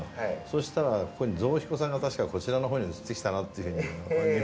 そしたらここに象彦さんが確かこちらの方に移ってきたなっていうふうに日本橋からね。